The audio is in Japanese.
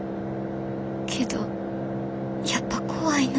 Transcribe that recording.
けどやっぱ怖いな。